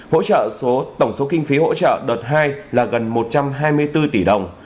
hỗ trợ tổng số kinh phí hỗ trợ đợt hai là gần một trăm hai mươi bốn tỷ đồng